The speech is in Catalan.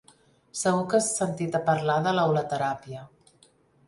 Segur que has sentit a parlar de la hulateràpia.